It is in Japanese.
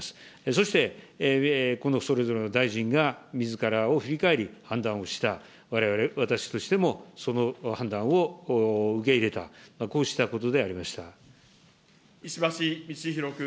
そして、このそれぞれの大臣がみずからを振り返り、判断をした、われわれ、私としてもその判断を受け入れた、こうしたことであり石橋通宏君。